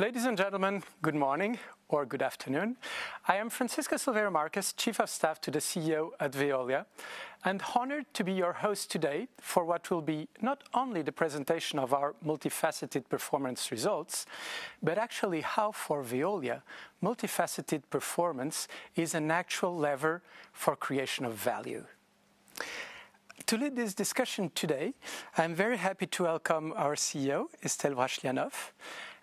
Ladies and gentlemen, good morning or good afternoon. I am Francisco Silverio Marques, Chief of Staff to the CEO at Veolia. I'm honored to be your host today for what will be not only the presentation of our Multifaceted Performance results, but actually how, for Veolia, Multifaceted Performance is an actual lever for creation of value. To lead this discussion today, I'm very happy to welcome our CEO, Estelle Brachlianoff;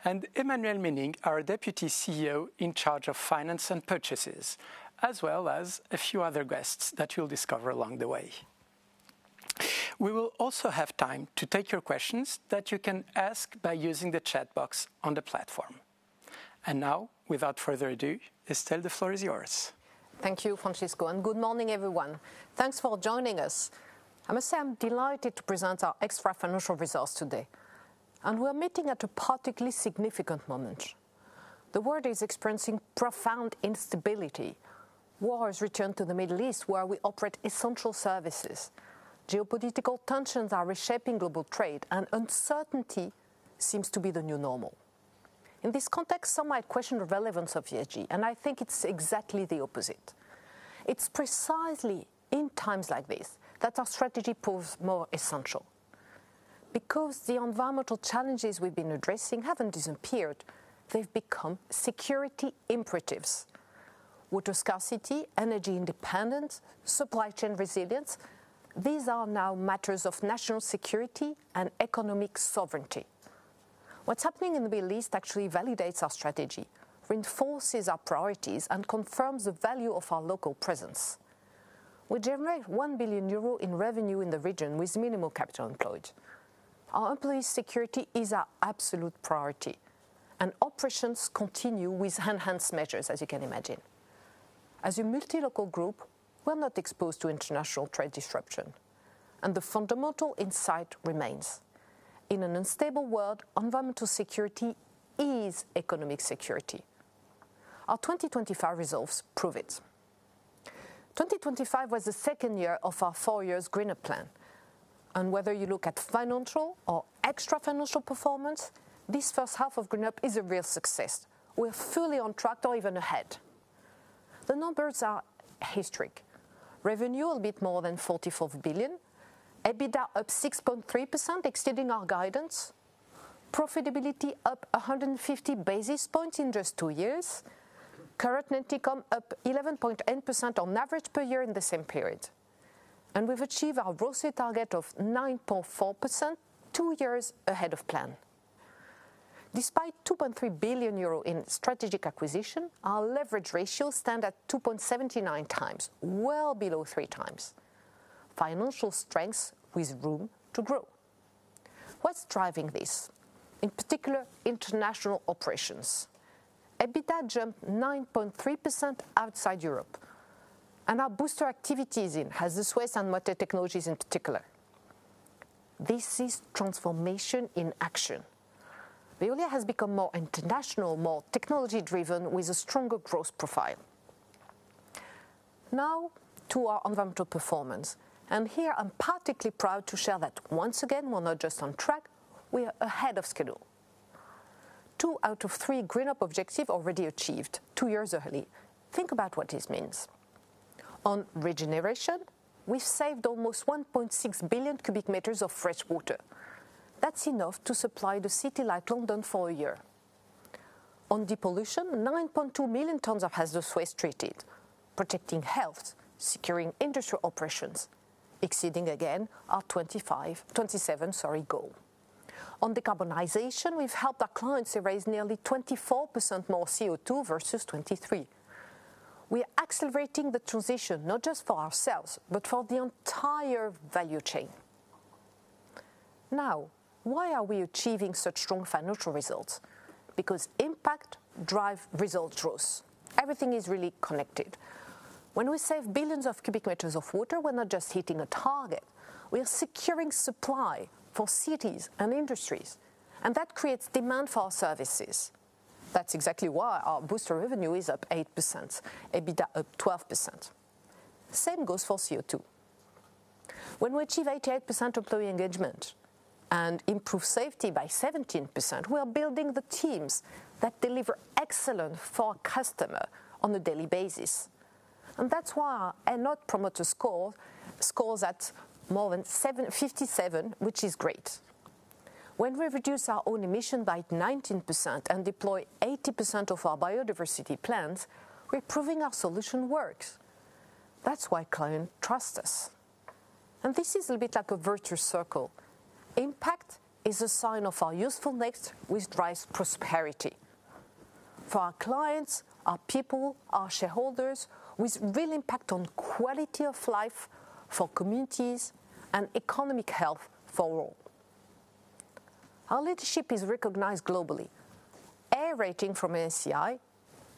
and Emmanuelle Menning, our Deputy CEO in charge of Finance and Purchases, as well as a few other guests that you'll discover along the way. We will also have time to take your questions that you can ask by using the chat box on the platform. Now, without further ado, Estelle, the floor is yours. Thank you, Francisco, and good morning, everyone. Thanks for joining us. I must say I'm delighted to present our extra-financial results today. We're meeting at a particularly significant moment. The world is experiencing profound instability. War has returned to the Middle East, where we operate essential services. Geopolitical tensions are reshaping global trade, and uncertainty seems to be the new normal. In this context, some might question the relevance of ESG, and I think it's exactly the opposite. It's precisely in times like this that our strategy proves more essential. Because the environmental challenges we've been addressing haven't disappeared, they've become security imperatives. Water scarcity, energy independence, supply chain resilience, these are now matters of national security and economic sovereignty. What's happening in the Middle East actually validates our strategy, reinforces our priorities, and confirms the value of our local presence. We generate 1 billion euro in revenue in the region with minimal capital employed. Our employee security is our absolute priority, and operations continue with enhanced measures, as you can imagine. As a multi-local group, we're not exposed to international trade disruption, and the fundamental insight remains. In an unstable world, environmental security is economic security. Our 2025 results prove it. 2025 was the second year of our four-year GreenUp plan. Whether you look at financial or extrafinancial performance, this first half of GreenUp is a real success. We're fully on track or even ahead. The numbers are historic. Revenue a bit more than 44 billion. EBITDA up 6.3%, exceeding our guidance. Profitability up 150 basis points in just two years. Current net income up 11.8% on average per year in the same period. We've achieved our gross profit target of 9.4% two years ahead of plan. Despite 2.3 billion euro in strategic acquisitions, our leverage ratio stands at 2.79x, well below 3x. Financial strength with room to grow. What's driving this? In particular, international operations. EBITDA jumped 9.3% outside Europe. Our Booster activities in Hazardous Waste and Water Technologies in particular. This is transformation in action. Veolia has become more international, more technology-driven, with a stronger growth profile. Now to our environmental performance, and here I'm particularly proud to share that once again, we're not just on track, we are ahead of schedule. Two out of three GreenUp objectives already achieved two years early. Think about what this means. On regeneration, we've saved almost 1.6 billion cubic meters of fresh water. That's enough to supply the city like London for a year. On depollution, 9.2 million tons of hazardous waste treated, protecting health, securing industrial operations, exceeding again our 27 goal. On decarbonization, we've helped our clients erase nearly 24% more CO2 versus 23%. We are accelerating the transition not just for ourselves, but for the entire value chain. Now, why are we achieving such strong financial results? Because impact drive result growth. Everything is really connected. When we save billions of cubic meters of water, we're not just hitting a target, we are securing supply for cities and industries, and that creates demand for our services. That's exactly why our Booster revenue is up 8%, EBITDA up 12%. Same goes for CO2. When we achieve 88% employee engagement and improve safety by 17%, we are building the teams that deliver excellence to customers on a daily basis. That's why our Net Promoter Score scores at more than 57, which is great. When we reduce our own emissions by 19% and deploy 80% of our biodiversity plans, we're proving our solution works. That's why clients trust us. This is a bit like a virtuous circle. Impact is a sign of our usefulness, which drives prosperity for our clients, our people, our shareholders, with real impact on quality of life for communities and economic health for all. Our leadership is recognized globally. A rating from MSCI,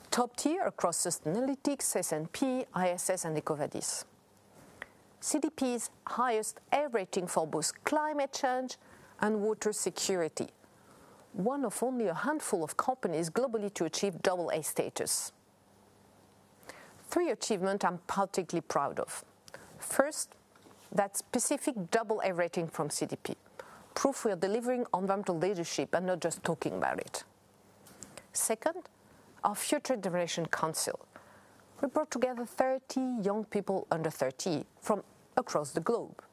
top tier across Sustainalytics, S&P, ISS, and EcoVadis. CDP's highest A rating for both climate change and water security. One of only a handful of companies globally to achieve double A status. Three achievements I'm particularly proud of. First, that specific double A rating from CDP. Proof we are delivering environmental leadership and not just talking about it. Second, our Future Generation Council. We brought together thirty young people under thirty from across the globe,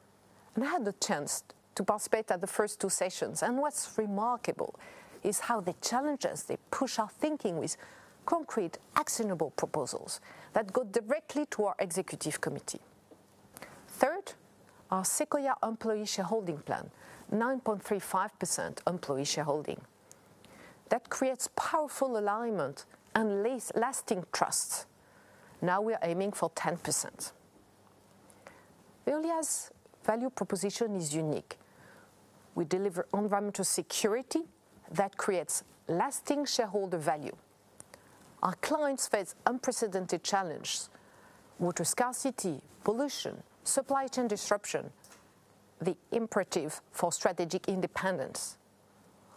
and I had the chance to participate at the first two sessions, and what's remarkable is how they challenge us. They push our thinking with concrete, actionable proposals that go directly to our executive committee. Third, our Sequoia employee shareholding plan, 9.35% employee shareholding. That creates powerful alignment and lasting trust. Now we are aiming for 10%. Veolia's value proposition is unique. We deliver environmental security that creates lasting shareholder value. Our clients face unprecedented challenges, water scarcity, pollution, supply chain disruption, the imperative for strategic independence.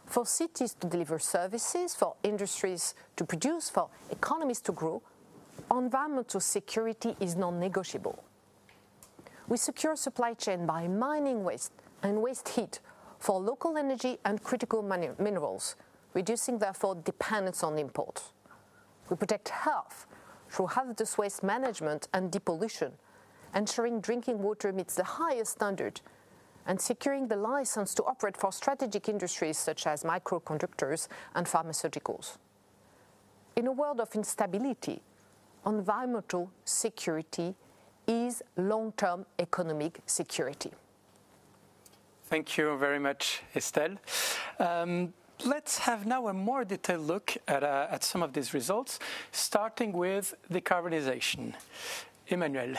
For cities to deliver services, for industries to produce, for economies to grow, environmental security is non-negotiable. We secure supply chain by mining waste and waste heat for local energy and critical minerals, reducing therefore dependence on import. We protect health through Hazardous Waste Management and depollution, ensuring drinking water meets the highest standard, and securing the license to operate for strategic industries such as semiconductors and pharmaceuticals. In a world of instability, environmental security is long-term economic security. Thank you very much, Estelle. Let's have now a more detailed look at some of these results, starting with decarbonization. Emmanuelle, the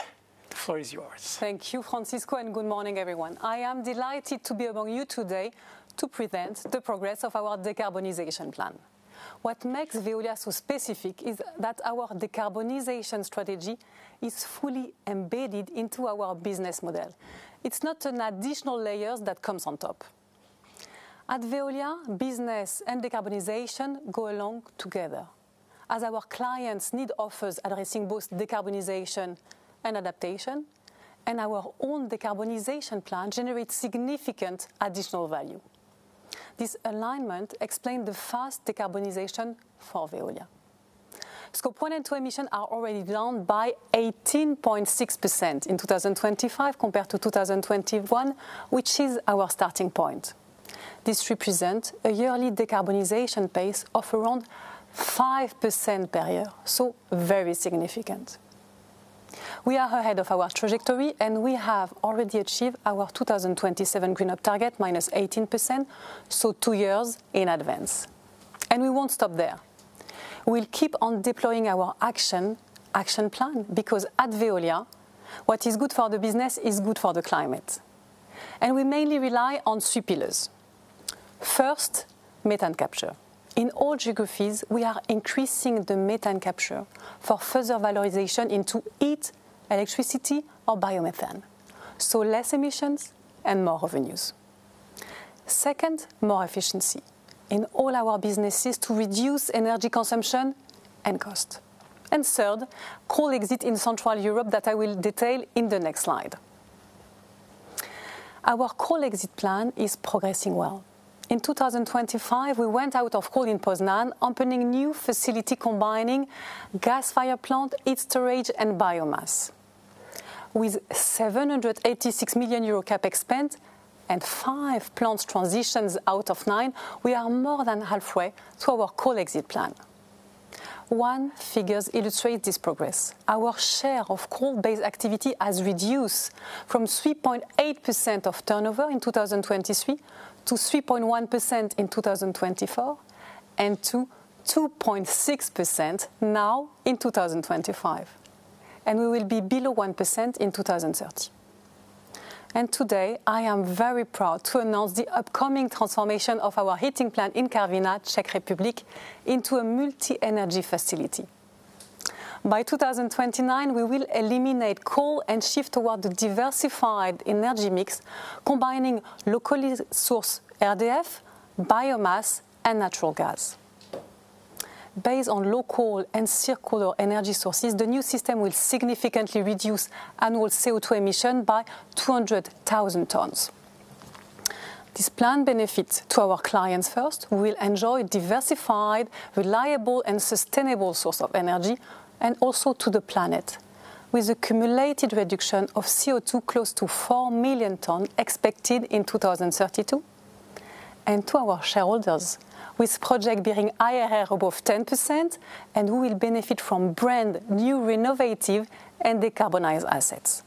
floor is yours. Thank you, Francisco, and good morning, everyone. I am delighted to be among you today to present the progress of our decarbonization plan. What makes Veolia so specific is that our decarbonization strategy is fully embedded into our business model. It's not an additional layer that comes on top. At Veolia, business and decarbonization go along together, as our clients need offers addressing both decarbonization and adaptation, and our own decarbonization plan generates significant additional value. This alignment explain the fast decarbonization for Veolia. Scope One and Two emissions are already down by 18.6% in 2025 compared to 2021, which is our starting point. This represent a yearly decarbonization pace of around 5% per year, so very significant. We are ahead of our trajectory, and we have already achieved our 2027 GreenUp target, -18%, so two years in advance. We won't stop there. We'll keep on deploying our action plan, because at Veolia, what is good for the business is good for the climate, and we mainly rely on three pillars. First, methane capture. In all geographies, we are increasing the methane capture for further valorization into heat, electricity or biomethane. Less emissions and more revenues. Second, more efficiency in all our businesses to reduce energy consumption and cost. Third, coal exit in Central Europe that I will detail in the next slide. Our coal exit plan is progressing well. In 2025, we went out of coal in Poznań, opening new facility combining gas-fired plant, heat storage and biomass. With 786 million euro CapEx spent and five plants transitioned out of nine, we are more than halfway to our coal exit plan. Our figures illustrate this progress. Our share of coal-based activity has reduced from 3.8% of turnover in 2023 to 3.1% in 2024 and to 2.6% now in 2025. We will be below 1% in 2030. Today, I am very proud to announce the upcoming transformation of our heating plant in Karviná, Czech Republic, into a multi-energy facility. By 2029, we will eliminate coal and shift toward the diversified energy mix, combining locally sourced RDF, biomass and natural gas. Based on local and circular energy sources, the new system will significantly reduce annual CO2 emission by 200,000 tons. This plan benefits to our clients first, who will enjoy diversified, reliable and sustainable source of energy, and also to the planet, with a cumulative reduction of CO2 close to 4 million tons expected in 2032, and to our shareholders, with project bearing IRR above 10% and who will benefit from brand new innovative and decarbonized assets.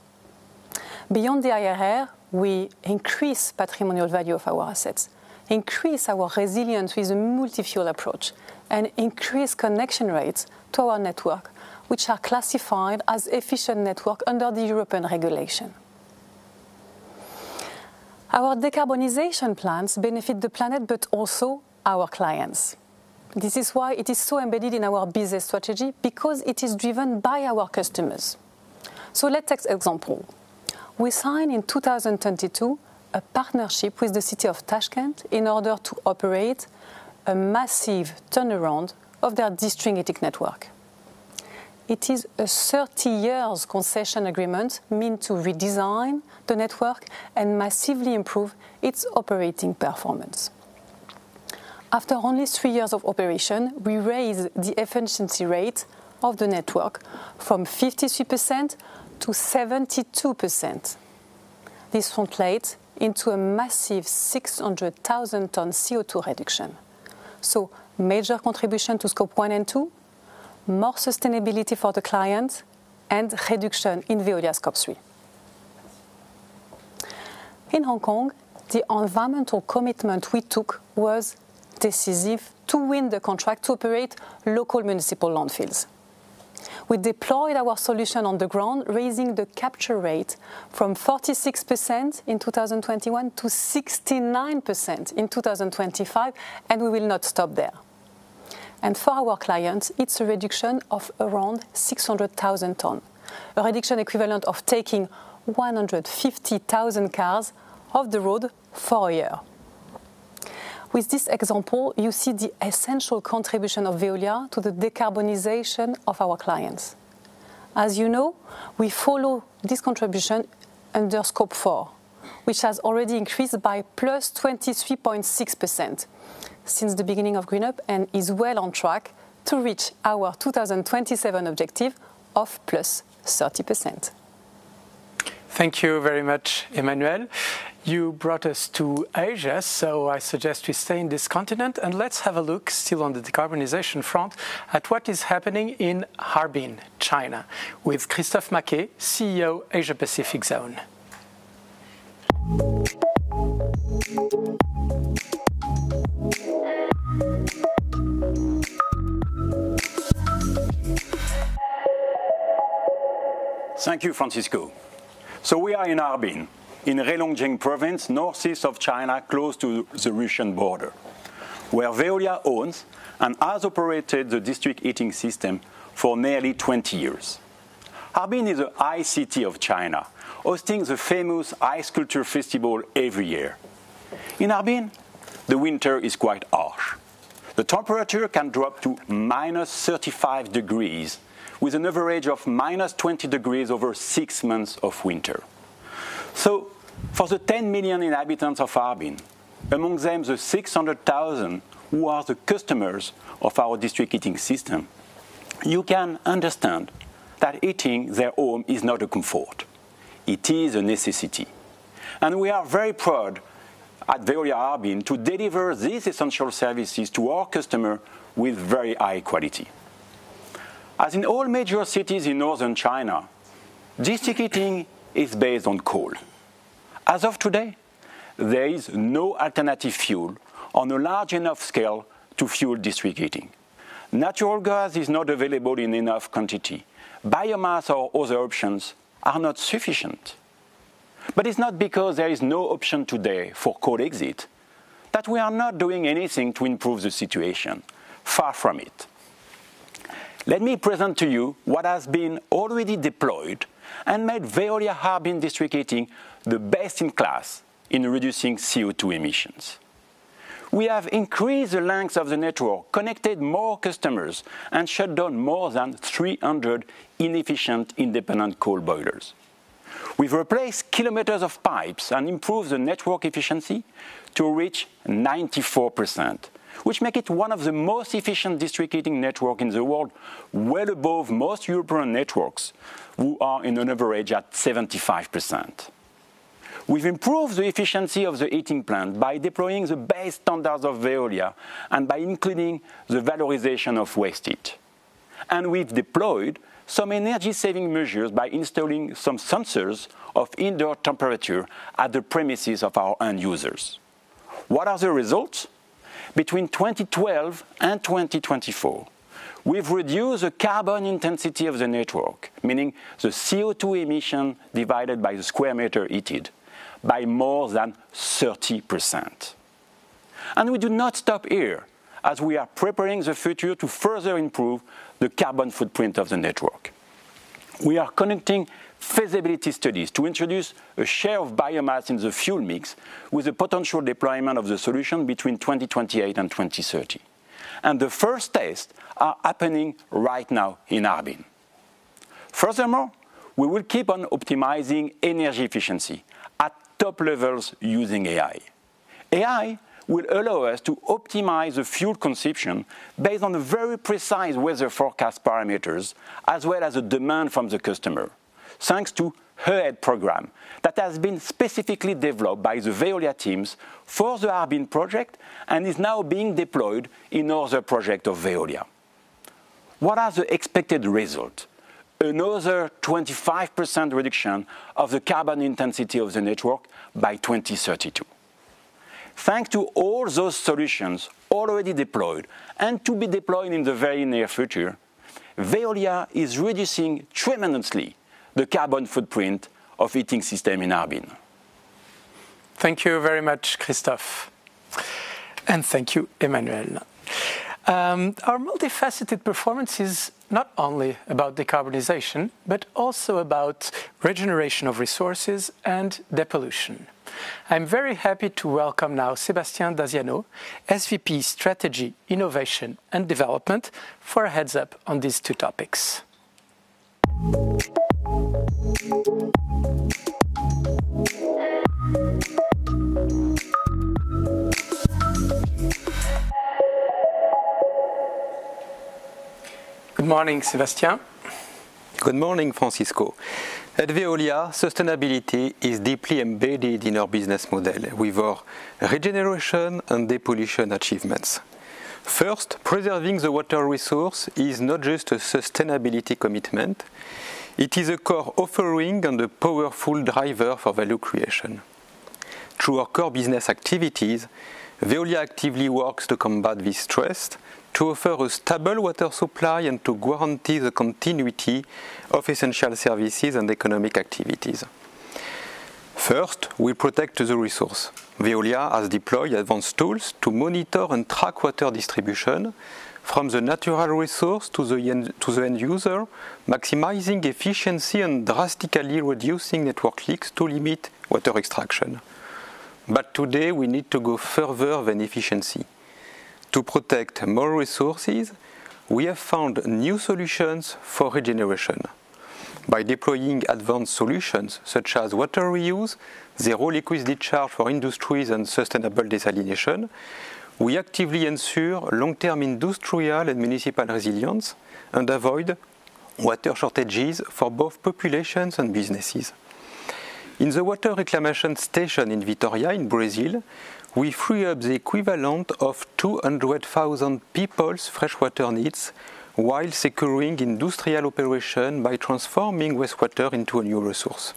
Beyond the IRR, we increase patrimonial value of our assets, increase our resilience with a multi-fuel approach, and increase connection rates to our network, which are classified as efficient network under the European regulation. Our decarbonization plans benefit the planet, but also our clients. This is why it is so embedded in our business strategy because it is driven by our customers. Let's take example. We signed in 2022 a partnership with the City of Tashkent in order to operate a massive turnaround of their district heating network. It is a 30 years concession agreement meant to redesign the network and massively improve its operating performance. After only three years of operation, we raise the efficiency rate of the network from 53%-72%. This translates into a massive 600,000-ton CO2 reduction. Major contribution to Scope One and Two, more sustainability for the client, and reduction in Veolia Scope Three. In Hong Kong, the environmental commitment we took was decisive to win the contract to operate local municipal landfills. We deployed our solution on the ground, raising the capture rate from 46% in 2021 to 69% in 2025, and we will not stop there. For our clients, it's a reduction of around 600,000 tons. A reduction equivalent of taking 150,000 cars off the road for a year. With this example, you see the essential contribution of Veolia to the decarbonization of our clients. As you know, we follow this contribution under Scope Four, which has already increased by +23.6% since the beginning of GreenUp and is well on track to reach our 2027 objective of +30%. Thank you very much, Emmanuelle. You brought us to Asia, so I suggest we stay in this continent, and let's have a look, still on the decarbonization front, at what is happening in Harbin, China, with Christophe Maquet, CEO, Asia-Pacific Zone. Thank you, Francisco. We are in Harbin, in Heilongjiang Province, northeast of China, close to the Russian border, where Veolia owns and has operated the district heating system for nearly 20 years. Harbin is the ice city of China, hosting the famous Ice Sculpture Festival every year. In Harbin, the winter is quite harsh. The temperature can drop to -35 degrees, with an average of -20 degrees over six months of winter. For the 10 million inhabitants of Harbin, among them the 600,000 who are the customers of our district heating system, you can understand that heating their home is not a comfort, it is a necessity. We are very proud at Veolia Harbin to deliver these essential services to our customer with very high quality. As in all major cities in Northern China, district heating is based on coal. As of today, there is no alternative fuel on a large enough scale to fuel district heating. Natural gas is not available in enough quantity. Biomass or other options are not sufficient. It's not because there is no option today for coal exit that we are not doing anything to improve the situation. Far from it. Let me present to you what has been already deployed and made Veolia Harbin district heating the best in class in reducing CO2 emissions. We have increased the length of the network, connected more customers, and shut down more than 300 inefficient independent coal boilers. We've replaced kilometers of pipes and improved the network efficiency to reach 94%, which make it one of the most efficient district heating network in the world, well above most European networks who are in an average at 75%. We've improved the efficiency of the heating plant by deploying the best standards of Veolia and by including the valorization of waste heat. We've deployed some energy saving measures by installing some sensors of indoor temperature at the premises of our end users. What are the results? Between 2012 and 2024, we've reduced the carbon intensity of the network, meaning the CO2 emission divided by the square meter heated, by more than 30%. We do not stop here, as we are preparing the future to further improve the carbon footprint of the network. We are conducting feasibility studies to introduce a share of biomass in the fuel mix with the potential deployment of the solution between 2028 and 2030. The first tests are happening right now in Harbin. Furthermore, we will keep on optimizing Energy Efficiency at top levels using AI. AI will allow us to optimize the fuel consumption based on the very precise weather forecast parameters, as well as the demand from the customer. Thanks to Hubgrade program that has been specifically developed by the Veolia teams for the Harbin project and is now being deployed in other project of Veolia. What are the expected result? Another 25% reduction of the carbon intensity of the network by 2032. Thanks to all those solutions already deployed, and to be deployed in the very near future, Veolia is reducing tremendously the carbon footprint of heating system in Harbin. Thank you very much, Christophe, and thank you, Emmanuelle. Our Multifaceted Performance is not only about decarbonization, but also about regeneration of resources and depollution. I'm very happy to welcome now Sébastien Daziano, SVP Strategy, Innovation, and Development for a heads-up on these two topics. Good morning, Sébastien. Good morning, Francisco. At Veolia, sustainability is deeply embedded in our business model with our regeneration and depollution achievements. First, preserving the water resource is not just a sustainability commitment. It is a core offering and a powerful driver for value creation. Through our core business activities, Veolia actively works to combat thirst, to offer a stable water supply, and to guarantee the continuity of essential services and economic activities. First, we protect the resource. Veolia has deployed advanced tools to monitor and track water distribution from the natural resource to the end user, maximizing efficiency and drastically reducing network leaks to limit water extraction. Today, we need to go further than efficiency. To protect more resources, we have found new solutions for regeneration. By deploying advanced solutions such as water reuse, Zero Liquid Discharge for industries, and sustainable desalination, we actively ensure long-term industrial and municipal resilience and avoid water shortages for both populations and businesses. In the water reclamation station in Vitória in Brazil, we free up the equivalent of 200,000 people's freshwater needs while securing industrial operation by transforming wastewater into a new resource.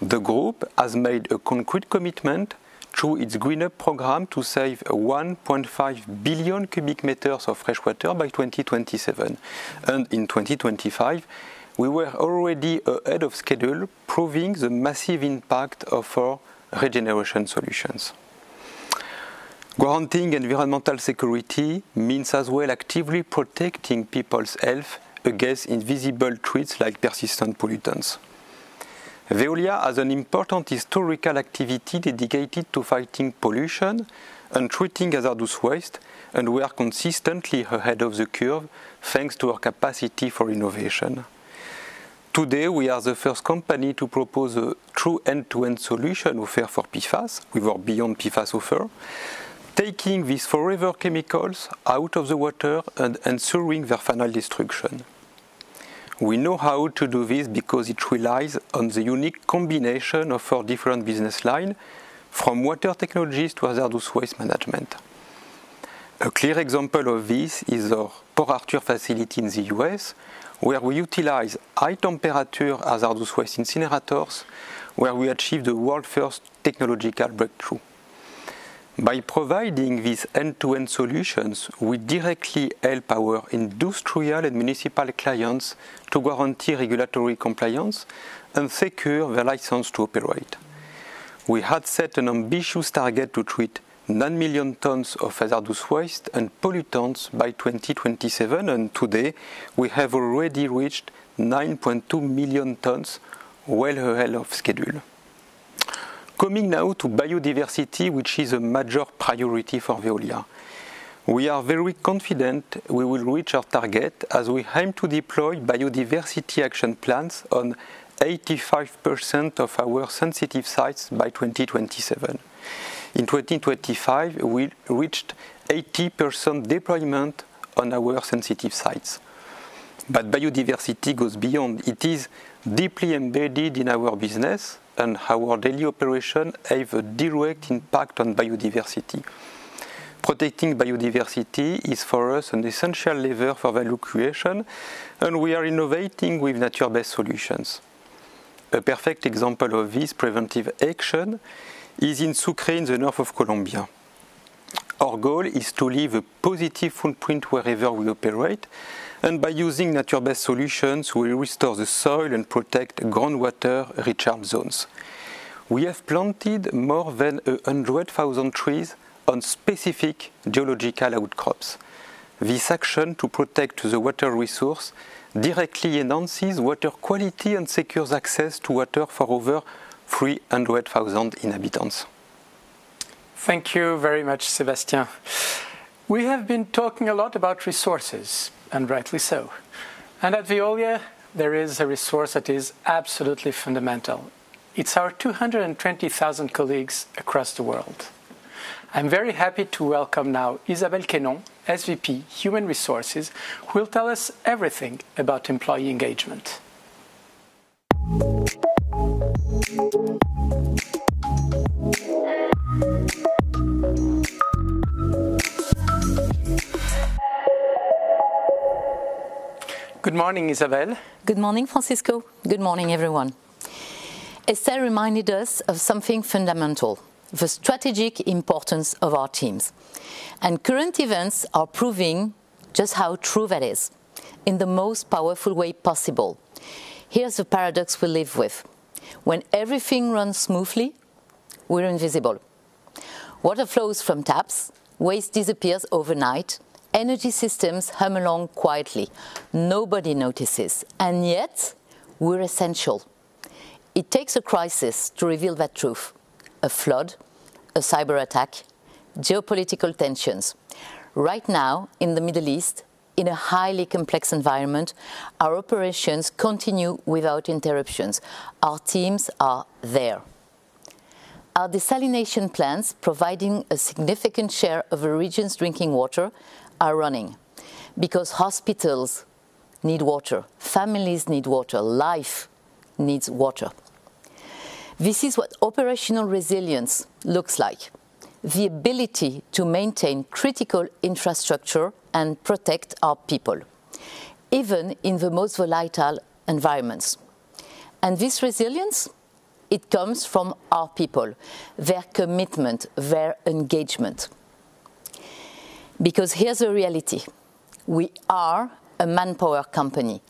The group has made a concrete commitment through its GreenUp program to save 1.5 billion cubic meters of freshwater by 2027. In 2025, we were already ahead of schedule, proving the massive impact of our regeneration solutions. Granting environmental security means as well actively protecting people's health against invisible threats like persistent pollutants. Veolia has an important historical activity dedicated to fighting pollution and treating hazardous waste, and we are consistently ahead of the curve thanks to our capacity for innovation. Today, we are the first company to propose a true end-to-end solution offer for PFAS with our BeyondPFAS offer, taking these forever chemicals out of the water and ensuring their final destruction. We know how to do this because it relies on the unique combination of our different business line from Water Technologies to Hazardous Waste Management. A clear example of this is our Port Arthur facility in the U.S., where we utilize high-temperature hazardous waste incinerators, where we achieved a world-first technological breakthrough. By providing these end-to-end solutions, we directly help our industrial and municipal clients to guarantee regulatory compliance and secure their license to operate. We had set an ambitious target to treat 9 million tons of hazardous waste and pollutants by 2027, and today we have already reached 9.2 million tons, well ahead of schedule. Coming now to biodiversity, which is a major priority for Veolia. We are very confident we will reach our target as we aim to deploy biodiversity action plans on 85% of our sensitive sites by 2027. In 2025, we reached 80% deployment on our sensitive sites. Biodiversity goes beyond. It is deeply embedded in our business and our daily operation have a direct impact on biodiversity. Protecting biodiversity is, for us, an essential lever for value creation, and we are innovating with nature-based solutions. A perfect example of this preventive action is in Sucre, in the north of Colombia. Our goal is to leave a positive footprint wherever we operate, and by using nature-based solutions, we restore the soil and protect groundwater recharge zones. We have planted more than 100,000 trees on specific geological outcrops. This action to protect the water resource directly enhances water quality and secures access to water for over 300,000 inhabitants. Thank you very much, Sébastien. We have been talking a lot about resources, and rightly so. At Veolia, there is a resource that is absolutely fundamental. It's our 220,000 colleagues across the world. I'm very happy to welcome now Isabelle Quainon, SVP Human Resources, who will tell us everything about employee engagement. Good morning, Isabelle. Good morning, Francisco. Good morning, everyone. Estelle reminded us of something fundamental, the strategic importance of our teams. Current events are proving just how true that is. In the most powerful way possible. Here's the paradox we live with. When everything runs smoothly, we're invisible. Water flows from taps. Waste disappears overnight. Energy systems hum along quietly. Nobody notices and yet we're essential. It takes a crisis to reveal that truth. A flood, a cyberattack, geopolitical tensions. Right now in the Middle East, in a highly complex environment, our operations continue without interruptions. Our teams are there. Our desalination plants providing a significant share of the region's drinking water are running because hospitals need water, families need water, life needs water. This is what operational resilience looks like. The ability to maintain critical infrastructure and protect our people even in the most volatile environments. This resilience, it comes from our people, their commitment, their engagement because here's the reality, we are a manpower company.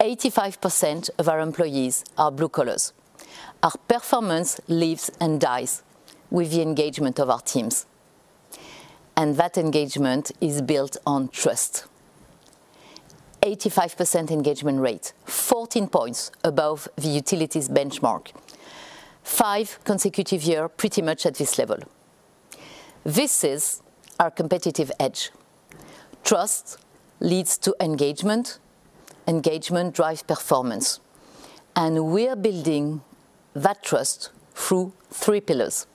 85% of our employees are blue collars. Our performance lives and dies with the engagement of our teams, and that engagement is built on trust. 85% engagement rate, 14 points above the utilities benchmark. Five consecutive year pretty much at this level. This is our competitive edge. Trust leads to engagement. Engagement drives performance. We are building that trust through three pillars.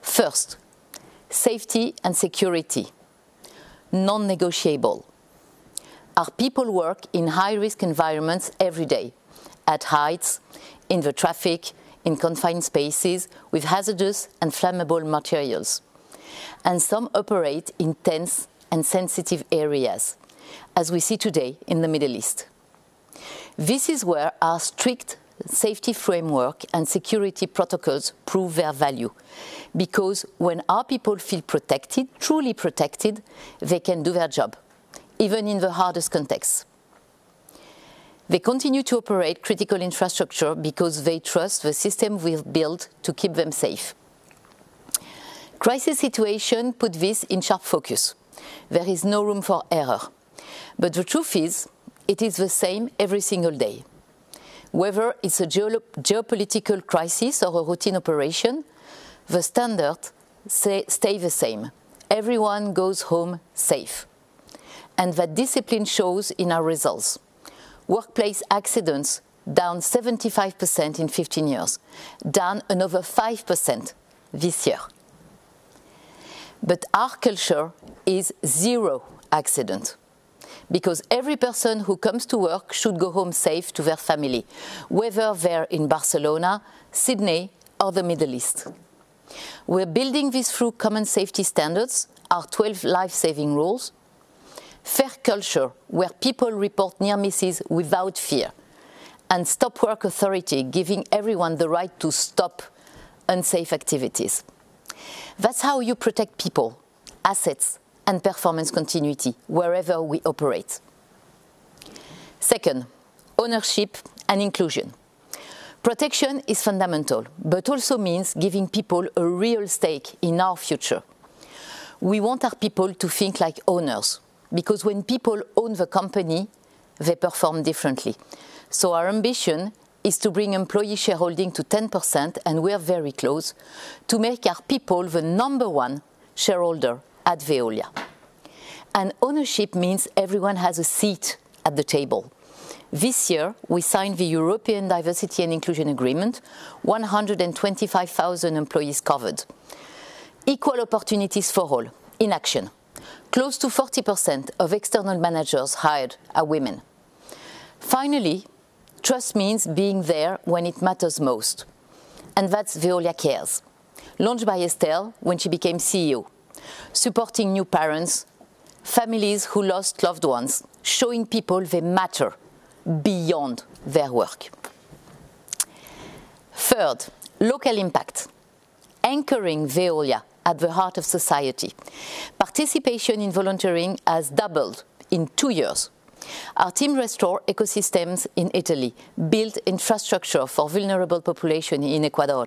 First, safety and security. Non-negotiable. Our people work in high-risk environments every day, at heights, in the traffic, in confined spaces with hazardous and flammable materials. Some operate in tense and sensitive areas as we see today in the Middle East. This is where our strict safety framework and security protocols prove their value because when our people feel protected, truly protected, they can do their job even in the hardest contexts. They continue to operate critical infrastructure because they trust the system we have built to keep them safe. Crisis situation put this in sharp focus. There is no room for error, but the truth is it is the same every single day. Whether it's a geopolitical crisis or a routine operation, the standards stay the same. Everyone goes home safe, and that discipline shows in our results. Workplace accidents down 75% in 15 years, down another 5% this year. Our culture is zero accident because every person who comes to work should go home safe to their family, whether they're in Barcelona, Sydney or the Middle East. We're building this through common safety standards, our 12 lifesaving rules, fair culture where people report near misses without fear, and stop work authority, giving everyone the right to stop unsafe activities. That's how you protect people, assets and performance continuity wherever we operate. Second, ownership and inclusion. Protection is fundamental but also means giving people a real stake in our future. We want our people to think like owners because when people own the company, they perform differently. Our ambition is to bring employee shareholding to 10%, and we are very close, to make our people the number one shareholder at Veolia. Ownership means everyone has a seat at the table. This year we signed the European Diversity and Inclusion Agreement, 125,000 employees covered. Equal opportunities for all in action. Close to 40% of external managers hired are women. Finally, trust means being there when it matters most, and that's Veolia Cares, launched by Estelle when she became CEO. Supporting new parents, families who lost loved ones, showing people they matter beyond their work. Third, local impact. Anchoring Veolia at the heart of society. Participation in volunteering has doubled in two years. Our team restore ecosystems in Italy, build infrastructure for vulnerable population in Ecuador.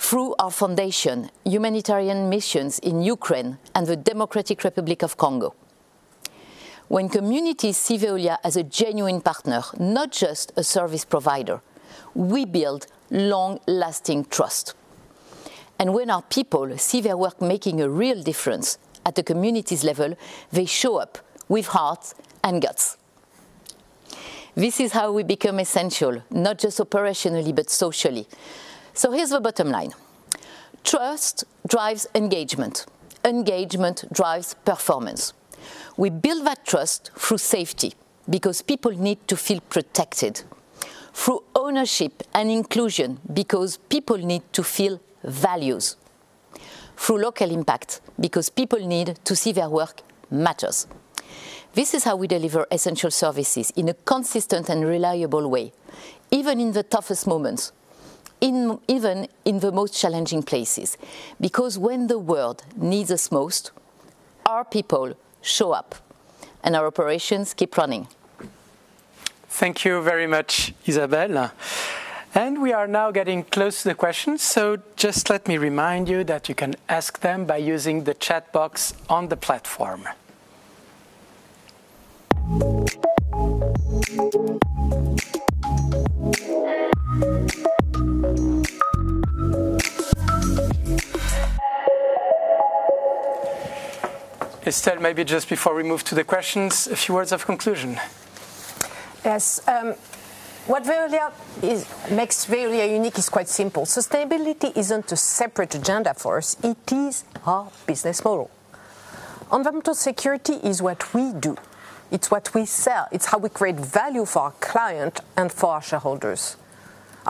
Through our foundation, humanitarian missions in Ukraine and the Democratic Republic of Congo. When communities see Veolia as a genuine partner, not just a service provider, we build long-lasting trust. When our people see their work making a real difference at the communities level, they show up with heart and guts. This is how we become essential, not just operationally, but socially. Here's the bottom line. Trust drives engagement. Engagement drives performance. We build that trust through safety because people need to feel protected, through ownership and inclusion because people need to feel values, through local impact because people need to see their work matters. This is how we deliver essential services in a consistent and reliable way. Even in the toughest moments, even in the most challenging places. Because when the world needs us most, our people show up and our operations keep running. Thank you very much, Isabelle. We are now getting close to the questions, so just let me remind you that you can ask them by using the chat box on the platform. Estelle, maybe just before we move to the questions, a few words of conclusion. Yes, what Veolia makes Veolia unique is quite simple. Sustainability isn't a separate agenda for us, it is our business model. Environmental security is what we do. It's what we sell. It's how we create value for our client and for our shareholders.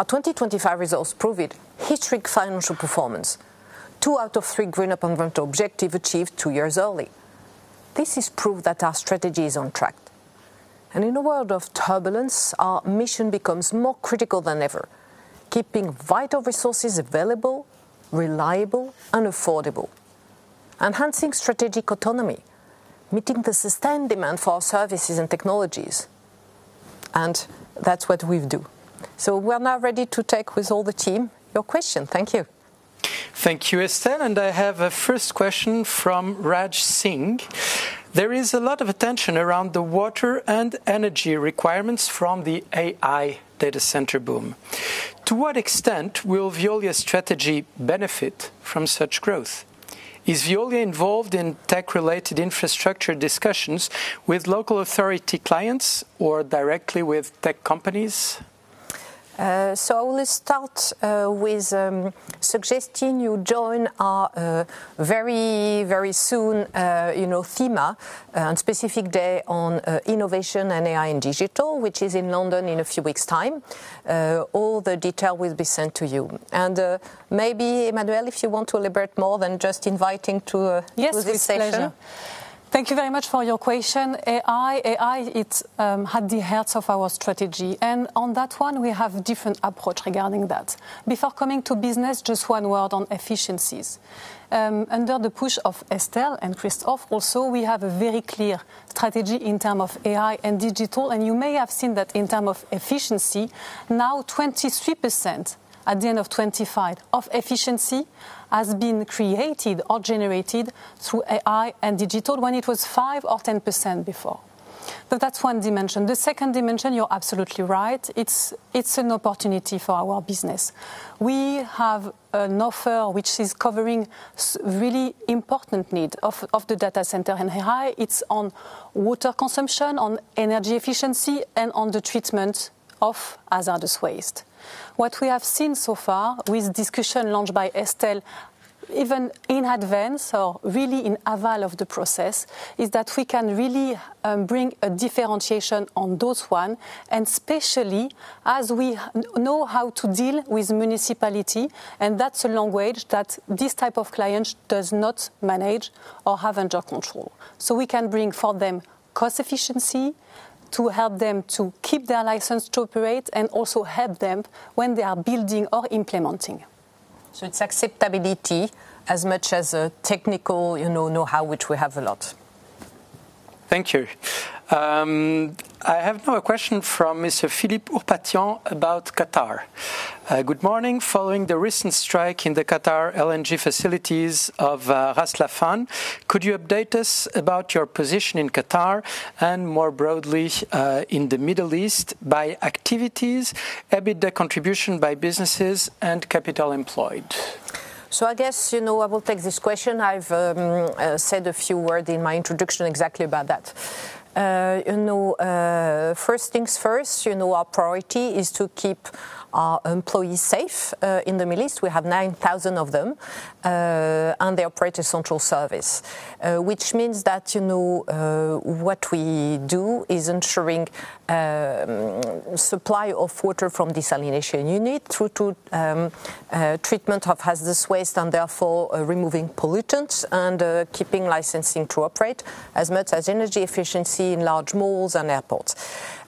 Our 2025 results prove it, historic financial performance. Two out of three green environmental objective achieved two years early. This is proof that our strategy is on track. In a world of turbulence, our mission becomes more critical than ever, keeping vital resources available, reliable, and affordable, enhancing strategic autonomy, meeting the sustained demand for our services and technologies, and that's what we do. We're now ready to take with all the team your question. Thank you. Thank you, Estelle, and I have a first question from Raj Singh. There is a lot of attention around the water and energy requirements from the AI data center boom. To what extent will Veolia's strategy benefit from such growth? Is Veolia involved in tech-related infrastructure discussions with local authority clients or directly with tech companies? I will start with suggesting you join our very soon you know theme on specific day on innovation and AI and digital, which is in London in a few weeks' time. All the detail will be sent to you. Maybe Emmanuelle, if you want to elaborate more than just inviting to Yes, with pleasure. To this session. Thank you very much for your question. AI, it's at the heart of our strategy, and on that one we have different approach regarding that. Before coming to business, just one word on efficiencies. Under the push of Estelle and Christophe also, we have a very clear strategy in term of AI and digital, and you may have seen that in term of efficiency. Now 23% at the end of 2025 of efficiency has been created or generated through AI and digital when it was 5% or 10% before. That's one dimension. The second dimension, you're absolutely right, it's an opportunity for our business. We have an offer which is covering really important need of the data center and AI. It's on water consumption, on Energy Efficiency, and on the treatment of hazardous waste. What we have seen so far with discussion launched by Estelle, even in advance or really in evaluation of the process, is that we can really bring a differentiation on those ones, and especially as we know how to deal with municipality, and that's a language that this type of client does not manage or have under control. We can bring for them cost efficiency to help them to keep their license to operate and also help them when they are building or implementing. It's acceptability as much as a technical, you know-how which we have a lot. Thank you. I have now a question from Mr. Philippe Ourpatian about Qatar. Good morning. Following the recent strike in the Qatar LNG facilities of Ras Laffan, could you update us about your position in Qatar and more broadly in the Middle East by activities, EBITDA contribution by businesses and capital employed? I guess, you know, I will take this question. I've said a few words in my introduction exactly about that. You know, first things first, you know, our priority is to keep our employees safe. In the Middle East, we have 9,000 of them, and they operate essential services. Which means that, you know, what we do is ensuring supply of water from desalination unit through to treatment of hazardous waste and therefore removing pollutants and keeping licensing to operate as much as Energy Efficiency in large malls and airports.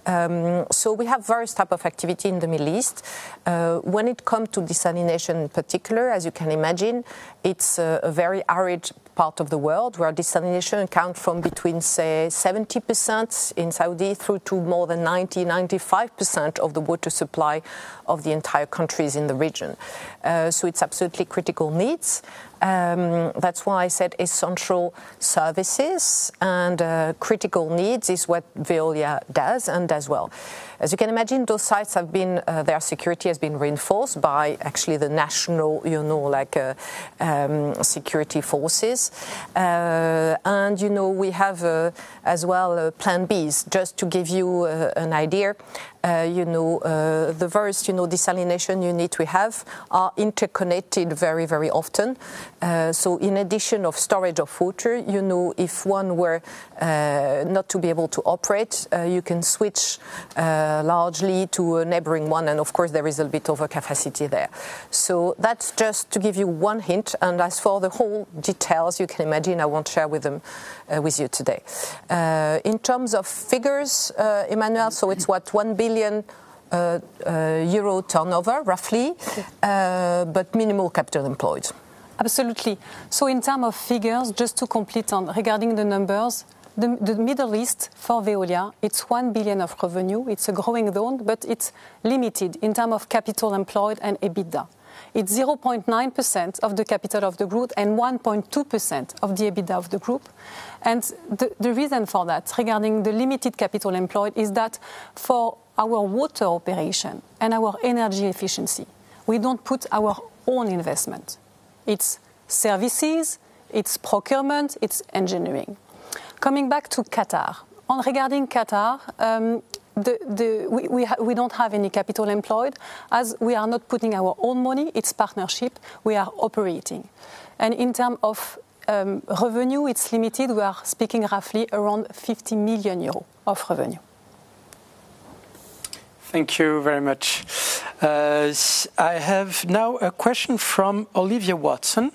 We have various types of activity in the Middle East. When it comes to desalination in particular, as you can imagine, it's a very arid part of the world where desalination accounts for between, say, 70% in Saudi through to more than 95% of the water supply of the entire countries in the region. So it's absolutely critical needs. That's why I said essential services and critical needs is what Veolia does and does well. As you can imagine, those sites have been, their security has been reinforced by actually the national, you know, like, security forces. And you know, we have, as well, plan Bs, just to give you an idea. You know, the first, you know, desalination unit we have are interconnected very, very often. In addition to storage of water, you know, if one were not to be able to operate, you can switch largely to a neighboring one, and of course there is a bit of a capacity there. That's just to give you one hint. As for the whole details, you can imagine I won't share them with you today. In terms of figures, Emmanuelle, it's 1 billion euro turnover roughly. Yes. But minimal capital employed. Absolutely. In terms of figures, just to complete regarding the numbers, the Middle East for Veolia, it's 1 billion of revenue. It's a growing zone, but it's limited in terms of capital employed and EBITDA. It's 0.9% of the capital of the group and 1.2% of the EBITDA of the group. The reason for that regarding the limited capital employed is that for our water operation and our Energy Efficiency, we don't put our own investment. It's services, it's procurement, it's engineering. Coming back to Qatar, regarding Qatar, we don't have any capital employed, as we are not putting our own money. It's partnership. We are operating. In terms of revenue, it's limited. We are speaking roughly around 50 million euros of revenue. Thank you very much. I have now a question from Olivia Watson.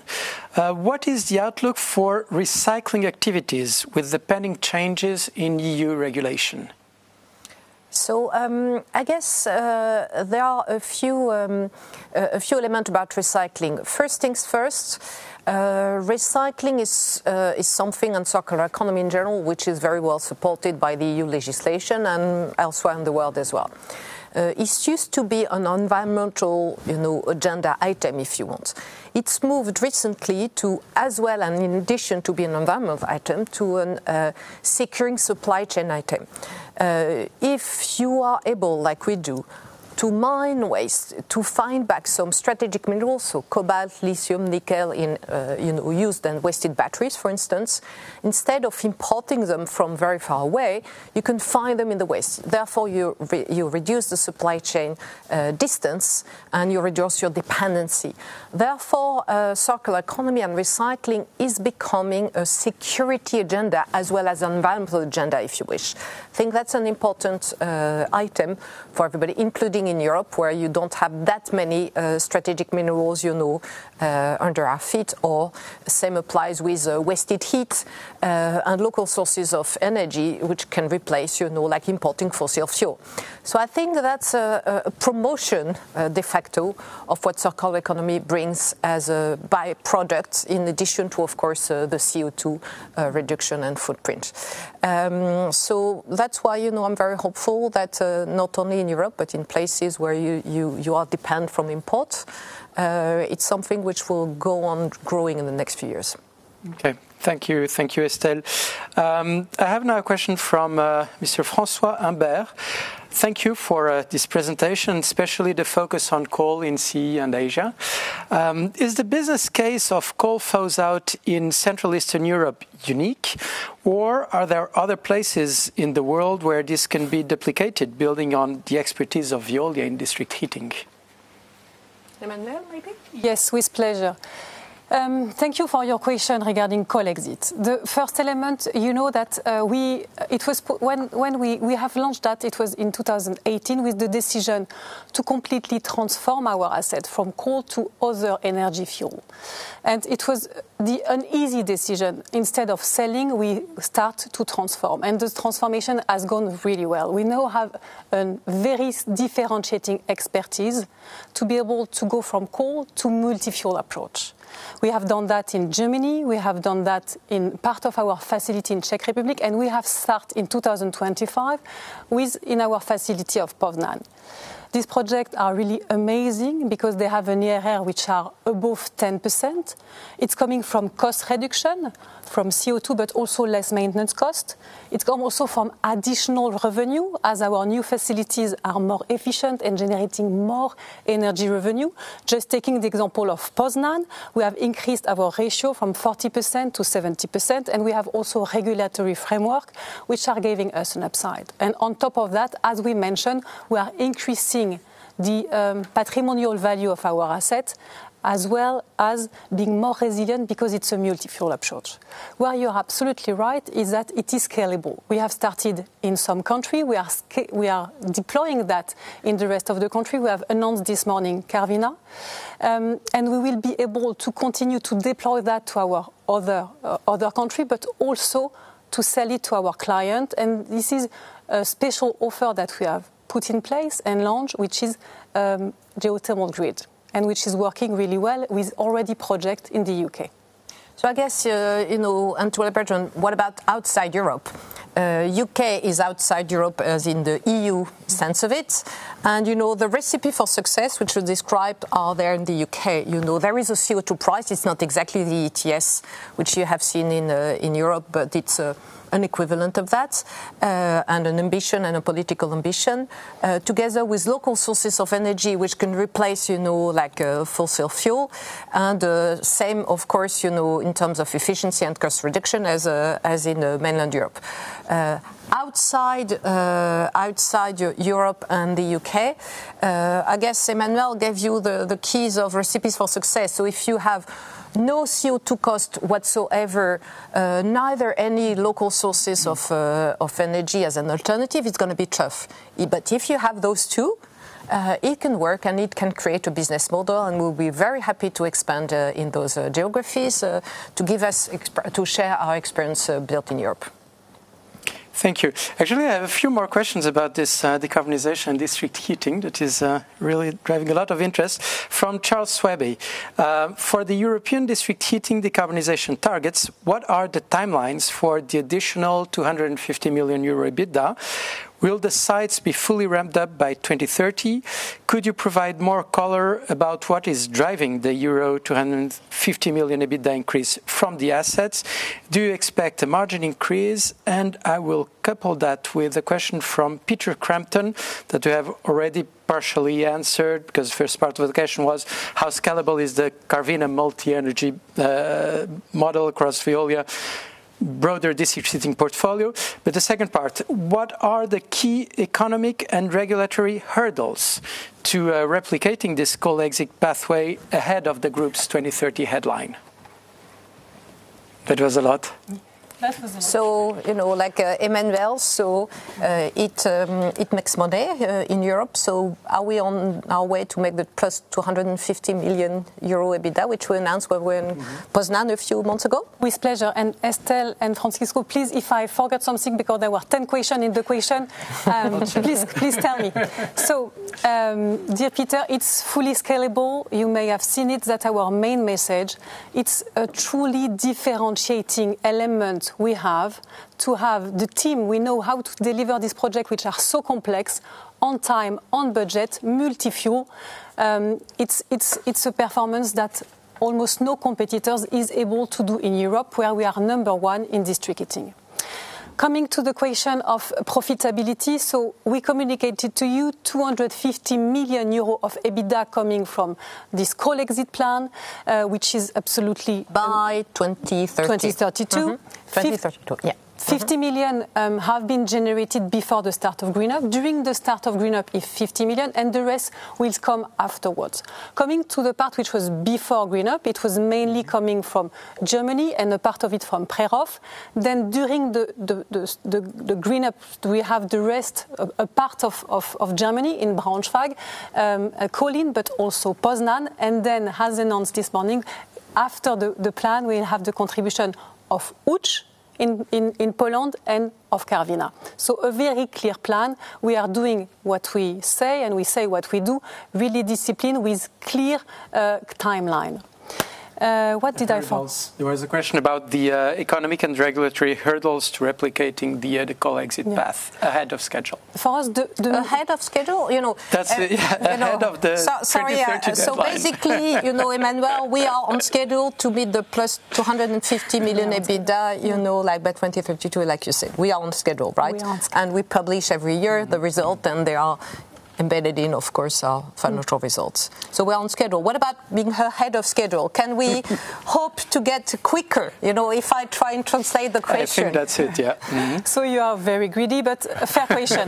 What is the outlook for recycling activities with the pending changes in EU regulation? I guess there are a few elements about recycling. First things first, recycling is something in circular economy in general which is very well-supported by the EU legislation and elsewhere in the world as well. It used to be an environmental, you know, agenda item, if you want. It's moved recently to as well, and in addition to being an environmental item, to a securing supply chain item. If you are able, like we do, to mine waste, to find back some strategic minerals, so cobalt, lithium, nickel in used and wasted batteries, for instance, instead of importing them from very far away, you can find them in the waste. Therefore, you reduce the supply chain distance, and you reduce your dependency. Therefore, circular economy and recycling is becoming a security agenda as well as environmental agenda, if you wish. I think that's an important item for everybody, including in Europe, where you don't have that many strategic minerals, you know, under our feet, or same applies with waste heat and local sources of energy which can replace, you know, like importing fossil fuel. I think that's a promotion de facto of what circular economy brings as a byproduct in addition to, of course, the CO2 reduction and footprint. That's why, you know, I'm very hopeful that, not only in Europe, but in places where you are dependent on imports, it's something which will go on growing in the next few years. Okay. Thank you. Thank you, Estelle. I have now a question from Mr. Francois Humbert. Thank you for this presentation, especially the focus on coal in CEE and Asia. Is the business case of coal phase-out in Central Eastern Europe unique, or are there other places in the world where this can be duplicated building on the expertise of Veolia in district heating? Emmanuelle, maybe? Yes, with pleasure. Thank you for your question regarding coal exit. The first element, you know that, when we have launched that it was in 2018 with the decision to completely transform our asset from coal to other energy fuel. It was an easy decision. Instead of selling, we start to transform, and the transformation has gone really well. We now have a very differentiating expertise to be able to go from coal to multi-fuel approach. We have done that in Germany. We have done that in part of our facility in Czech Republic, and we have start in 2025 with in our facility of Poznań. These project are really amazing because they have an IRR which are above 10%. It's coming from cost reduction from CO2, but also less maintenance cost. It's come also from additional revenue as our new facilities are more efficient in generating more energy revenue. Just taking the example of Poznań, we have increased our ratio from 40%-70%, and we have also regulatory framework which are giving us an upside. On top of that, as we mentioned, we are increasing the patrimonial value of our asset as well as being more resilient because it's a multi-fuel approach. Where you're absolutely right is that it is scalable. We have started in some country. We are deploying that in the rest of the country. We have announced this morning Karviná. We will be able to continue to deploy that to our other country, but also to sell it to our client. This is a special offer that we have put in place and launched, which is Ecothermal Grid and which is working really well with already a project in the U.K. I guess, you know, Antoine Frérot, what about outside Europe? U.K. is outside Europe as in the EU sense of it. You know, the recipe for success which you described are there in the U.K. You know, there is a CO2 price. It's not exactly the ETS which you have seen in Europe, but it's an equivalent of that, and an ambition and a political ambition, together with local sources of energy which can replace, you know, like, fossil fuel. Same of course, you know, in terms of efficiency and cost reduction as in mainland Europe. Outside Europe and the U.K., I guess Emmanuelle gave you the keys of recipes for success. If you have no CO2 cost whatsoever, neither any local sources of energy as an alternative, it's gonna be tough. But if you have those two, it can work and it can create a business model, and we'll be very happy to expand in those geographies to share our experience built in Europe. Thank you. Actually, I have a few more questions about this decarbonization district heating that is really driving a lot of interest. From Charles Swabey. For the European district heating decarbonization targets, what are the timelines for the additional 250 million euro EBITDA? Will the sites be fully ramped up by 2030? Could you provide more color about what is driving the euro 250 million EBITDA increase from the assets? Do you expect a margin increase? I will couple that with a question from Peter Crampton that you have already partially answered, because first part of the question was how scalable is the Karviná multi-energy model across Veolia's broader district heating portfolio? The second part, what are the key economic and regulatory hurdles to replicating this coal exit pathway ahead of the group's 2030 headline? That was a lot. That was a lot. You know, like, Emmanuelle, it makes money in Europe, so are we on our way to make the +250 million euro EBITDA, which we announced when we were in Poznań a few months ago? With pleasure. Estelle and Francisco, please if I forget something because there were 10 question in the question, please tell me. Dear Peter, it's fully scalable. You may have seen it. That's our main message. It's a truly differentiating element we have to have the team we know how to deliver this project, which are so complex, on time, on budget, multi-fuel. It's a performance that almost no competitors is able to do in Europe, where we are number one in district heating. Coming to the question of profitability, we communicated to you 250 million euros of EBITDA coming from this coal exit plan, which is absolutely- By 2030. 2032. 2032. Yeah. 50 million have been generated before the start of GreenUp. During the start of GreenUp is 50 million, and the rest will come afterwards. Coming to the part which was before GreenUp, it was mainly coming from Germany and a part of it from Přerov. During the GreenUp, we have the rest of a part of Germany in Braunschweig, Kolin, but also Poznań. As announced this morning, after the plan, we'll have the contribution of Łódź in Poland and of Karviná. A very clear plan. We are doing what we say, and we say what we do. Real discipline with clear timeline. What did I forget? There was a question about the economic and regulatory hurdles to replicating the exit path. Yeah. Ahead of schedule. For us, the ahead of schedule? You know. That's it. Ahead of the 2030 plan. Basically, you know, Emmanuelle, we are on schedule to meet the +250 million EBITDA, you know, like by 2032, like you said. We are on schedule, right? We are. We publish every year the result, and they are embedded in, of course, our financial results. We're on schedule. What about being ahead of schedule? Can we hope to get quicker? You know, if I try and translate the question. I think that's it, yeah. Mm-hmm. You are very greedy, but a fair question.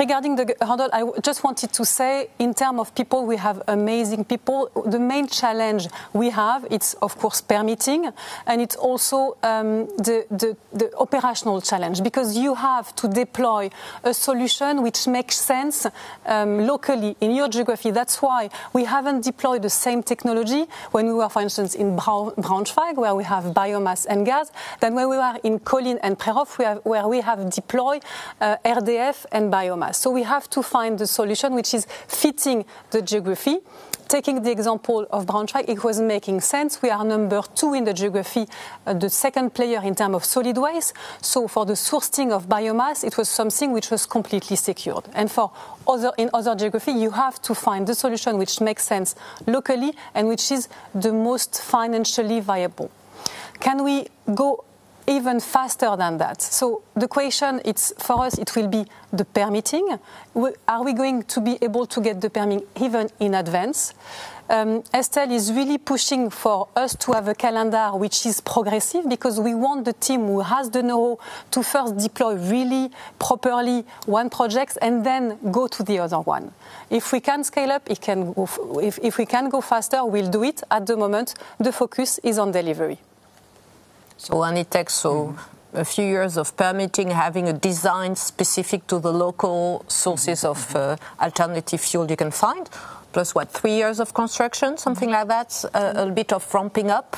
Regarding the hurdle, I just wanted to say in terms of people, we have amazing people. The main challenge we have, it's of course permitting, and it's also the operational challenge, because you have to deploy a solution which makes sense locally in your geography. That's why we haven't deployed the same technology when we were, for instance, in Braunschweig, where we have biomass and gas. When we were in Kolín and Přerov, where we deployed RDF and biomass. We have to find a solution which is fitting the geography. Taking the example of Braunschweig, it was making sense. We are number two in the geography, the second player in terms of solid waste. For the sourcing of biomass, it was something which was completely secured. For other geography, you have to find the solution which makes sense locally and which is the most financially viable. Can we go even faster than that? The question, it's, for us it will be the permitting. Are we going to be able to get the permit even in advance? Estelle is really pushing for us to have a calendar which is progressive because we want the team who has the know-how to first deploy really properly one project and then go to the other one. If we can scale up, if we can go faster, we'll do it. At the moment, the focus is on delivery. It takes a few years of permitting, having a design specific to the local sources of alternative fuel you can find, plus what? Three years of construction, something like that. A bit of ramping up.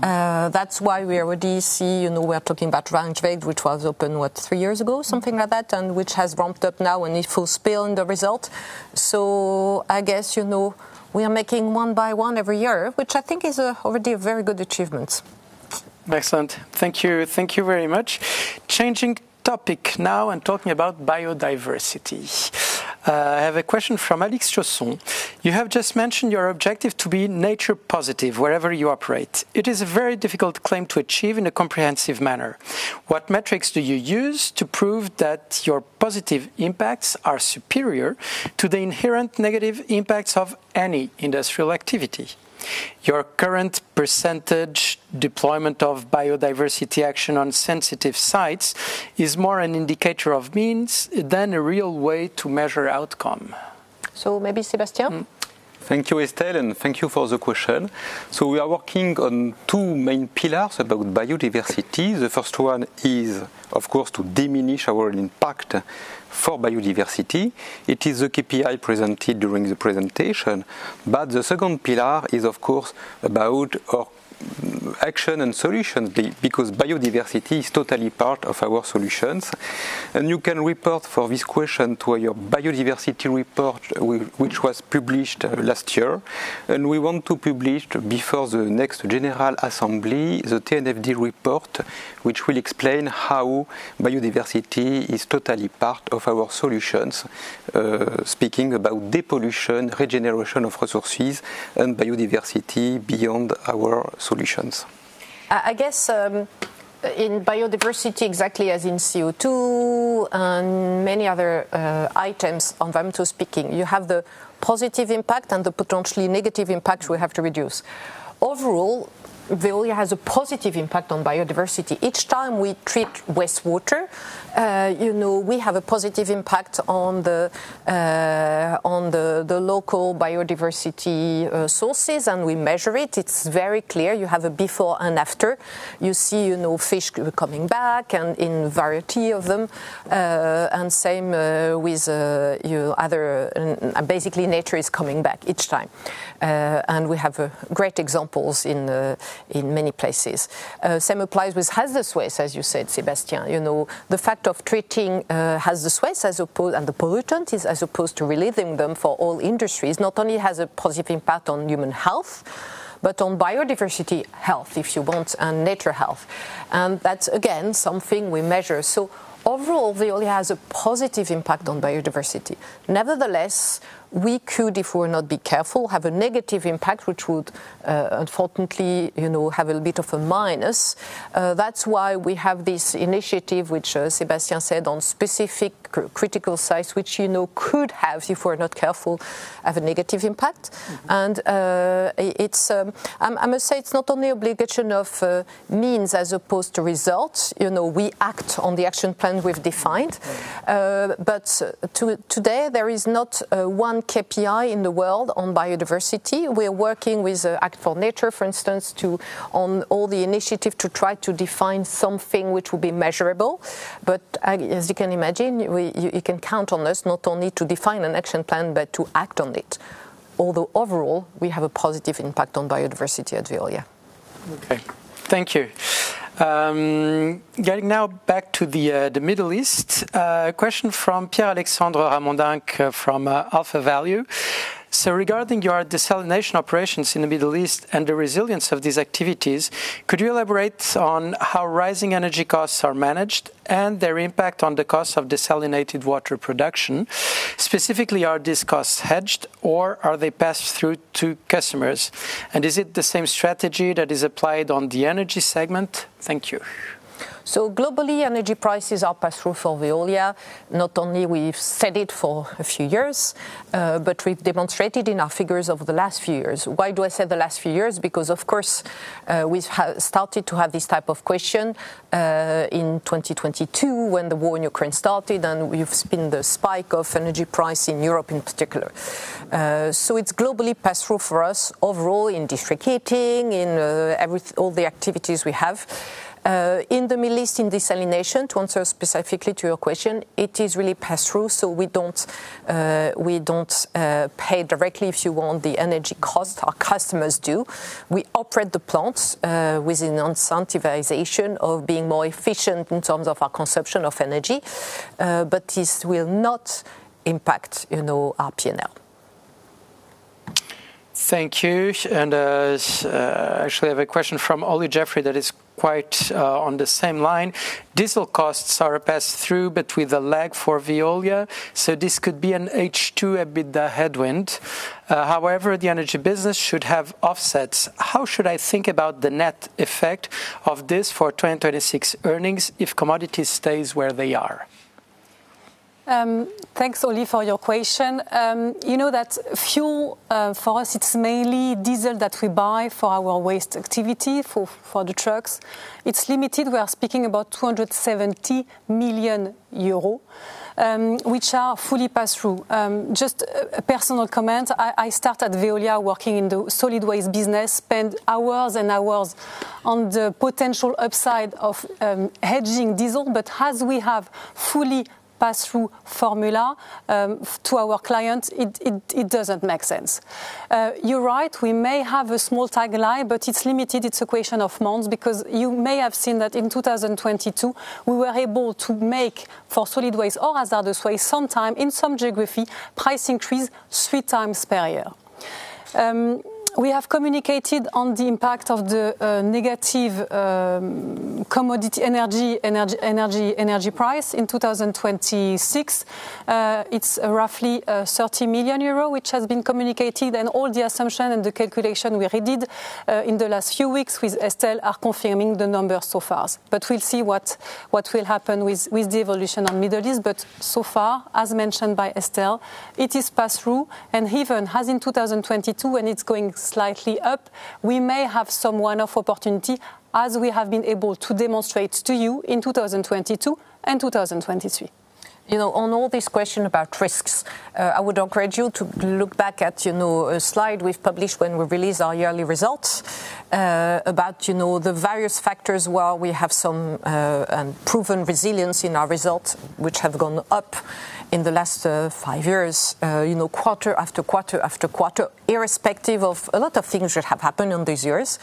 That's why we already see, you know, we are talking about Braunschweig, which was open what? Three years ago, something like that, and which has ramped up now and it will spill over into the results. I guess, you know, we are making one by one every year, which I think is already a very good achievement. Excellent. Thank you. Thank you very much. Changing topic now and talking about biodiversity. I have a question from Alix Chausson. You have just mentioned your objective to be nature positive wherever you operate. It is a very difficult claim to achieve in a comprehensive manner. What metrics do you use to prove that your positive impacts are superior to the inherent negative impacts of any industrial activity? Your current percentage deployment of biodiversity action on sensitive sites is more an indicator of means than a real way to measure outcome. Maybe Sébastien. Thank you, Estelle, and thank you for the question. We are working on two main pillars about biodiversity. The first one is, of course, to diminish our impact For biodiversity, it is the KPI presented during the presentation. The second pillar is of course about our action and solution because biodiversity is totally part of our solutions. You can refer for this question to our biodiversity report which was published last year. We want to publish before the next general assembly, the TNFD report, which will explain how biodiversity is totally part of our solutions. Speaking about depollution, regeneration of resources, and biodiversity beyond our solutions. I guess in biodiversity, exactly as in CO2 and many other items on the agenda, too. Speaking, you have the positive impact and the potentially negative impact we have to reduce. Overall, Veolia has a positive impact on biodiversity. Each time we treat wastewater, you know, we have a positive impact on the local biodiversity sources, and we measure it. It's very clear. You have a before and after. You see, you know, fish coming back and in variety of them. Same with other. Basically nature is coming back each time. We have great examples in many places. Same applies with hazardous waste, as you said, Sébastien. You know, the fact of treating hazardous waste and pollutants as opposed to landfilling them for all industries not only has a positive impact on human health, but on biodiversity health, if you want, and nature health. That's again something we measure. Overall, Veolia has a positive impact on biodiversity. Nevertheless, we could, if we're not careful, have a negative impact, which would unfortunately you know have a bit of a minus. That's why we have this initiative, which Sébastien said on specific critical sites, which you know could have a negative impact if we're not careful. I must say it's not only obligation of means as opposed to results. You know, we act on the action plan we've defined. Today, there is not one KPI in the world on biodiversity. We are working with act4nature, for instance, on all the initiative to try to define something which will be measurable. As you can imagine, you can count on us not only to define an action plan, but to act on it. Although overall, we have a positive impact on biodiversity at Veolia. Okay. Thank you. Getting now back to the Middle East, a question from Pierre-Alexandre Ramondenc from AlphaValue. Regarding your desalination operations in the Middle East and the resilience of these activities, could you elaborate on how rising energy costs are managed and their impact on the cost of desalinated water production? Specifically, are these costs hedged or are they passed through to customers? And is it the same strategy that is applied on the energy segment? Thank you. Globally, energy prices are pass-through for Veolia. Not only we've said it for a few years, but we've demonstrated in our figures over the last few years. Why do I say the last few years? Because, of course, we've started to have this type of question in 2022 when the war in Ukraine started, and we've seen the spike of energy price in Europe in particular. It's globally pass-through for us overall in district heating, in all the activities we have. In the Middle East, in desalination, to answer specifically to your question, it is really pass-through, so we don't pay directly, if you want, the energy cost. Our customers do. We operate the plants with an incentivization of being more efficient in terms of our consumption of energy. This will not impact, you know, our P&L. Thank you. Actually, I have a question from Olly Jeffery that is quite on the same line. Diesel costs are passed through, but with a lag for Veolia, so this could be an H2 EBITDA headwind. However, the energy business should have offsets. How should I think about the net effect of this for 2026 earnings if commodities stays where they are? Thanks, Olly, for your question. You know that fuel, for us, it's mainly diesel that we buy for our waste activity, for the trucks. It's limited. We are speaking about 270 million euro, which are fully pass-through. Just a personal comment. I started Veolia working in the solid waste business, spent hours and hours on the potential upside of hedging diesel. As we have fully pass-through formula to our clients, it doesn't make sense. You're right, we may have a small tail end, but it's limited. It's a question of months, because you may have seen that in 2022, we were able to make for solid waste or hazardous waste, sometime in some geography, price increase three times per year. We have communicated on the impact of the negative commodity energy price in 2026. It's roughly 30 million euro, which has been communicated. All the assumption and the calculation we redid in the last few weeks with Estelle are confirming the number so far. We'll see what will happen with the evolution on Middle East. So far, as mentioned by Estelle, it is pass-through. Even as in 2022, when it's going slightly up, we may have some one-off opportunity, as we have been able to demonstrate to you in 2022 and 2023. You know, on all these questions about risks, I would encourage you to look back at, you know, a slide we've published when we released our yearly results about, you know, the various factors where we have some proven resilience in our results, which have gone up in the last five years, you know, quarter after quarter after quarter, irrespective of a lot of things which have happened in these years.